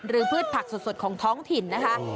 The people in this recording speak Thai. พืชผักสดของท้องถิ่นนะคะ